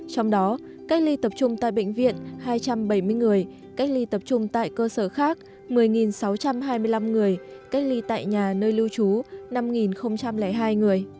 trong đó cách ly tập trung tại bệnh viện hai trăm bảy mươi người cách ly tập trung tại cơ sở khác một mươi sáu trăm hai mươi năm người cách ly tại nhà nơi lưu trú năm hai người